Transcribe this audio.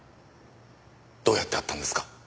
どうやって会ったんですか？